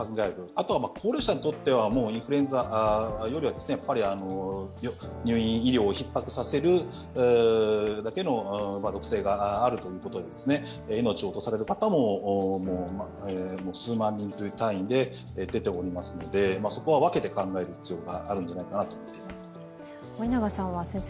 あとは高齢者にとってはインフルエンザよりは、入院・医療をひっ迫させるだけの毒性があるということで命を落とされる方も数万人という単位で出ておりますのでそこは分けて考える必要があるんじゃないかと思います。